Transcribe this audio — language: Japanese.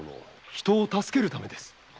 人を助けるためです！